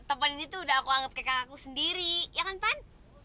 temen ini tuh udah aku anggap kakakku sendiri ya kan pan